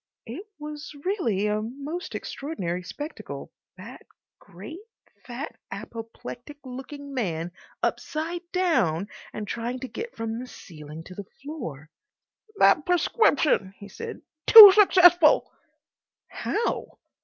It was really a most extraordinary spectacle, that great, fat, apoplectic looking man upside down and trying to get from the ceiling to the floor. "That prescription," he said. "Too successful." "How?"